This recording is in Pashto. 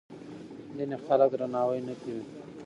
ځینې خلک درناوی نه کوي.